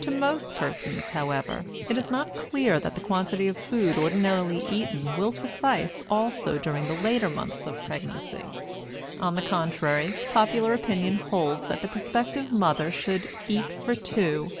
To most persons, however, it is not clear that the quantity of food ordinarily eaten will suffice also during the later months of pregnancy. On the contrary, popular opinion holds that the prospective mother "should eat for two."